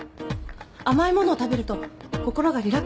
甘い物を食べると心がリラックスします。